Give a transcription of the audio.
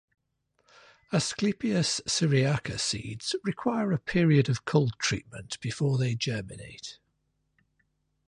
"Asclepias syriaca" seeds require a period of cold treatment before they germinate.